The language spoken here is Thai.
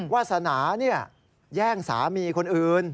วาสนาเนี่ยแย่งสามีคนอื่น